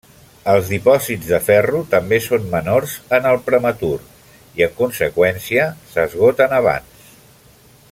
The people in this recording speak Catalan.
Els dipòsits de ferro també són menors en el prematur i, en conseqüència, s'esgoten abans.